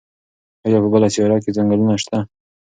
ایا په بله سیاره کې ځنګلونه شته؟